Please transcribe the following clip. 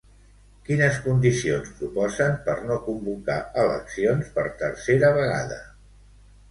Quines condicions proposen per no convocar eleccions per tercera vegada?